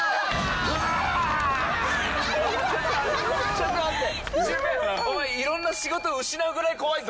ちょっと待って。